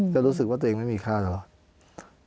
แต่รู้สึกว่าตัวเองไม่มีค่าตลอด